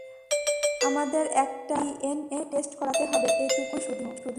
আমাদের একটা DNA test করাতে হবে, এটুকুই শুধু।